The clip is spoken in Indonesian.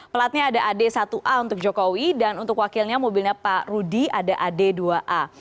pelatnya ada ad satu a untuk jokowi dan untuk wakilnya mobilnya pak rudi ada ad dua a